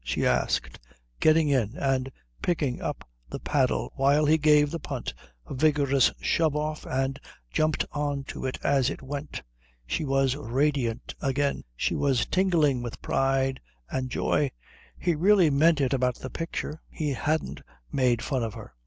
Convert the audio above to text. she asked, getting in and picking up the paddle while he gave the punt a vigorous shove off and jumped on to it as it went. She was radiant again. She was tingling with pride and joy. He really meant it about the picture. He hadn't made fun of her.